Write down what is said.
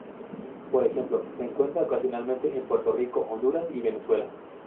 Por ejemplo, se encuentra ocasionalmente en Puerto Rico, Honduras y Venezuela.